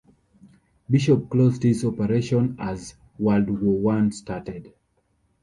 Bishop closed his operation as World War One started.